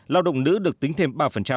lao động nữ được tính thêm ba